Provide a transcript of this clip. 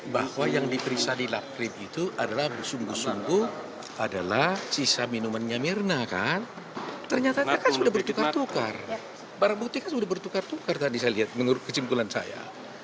barang bukti kan sudah bertukar tukar tadi saya lihat menurut kesimpulan saya